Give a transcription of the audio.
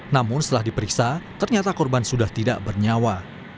namun setelah diperiksa ternyata korban sudah tidak bernyawa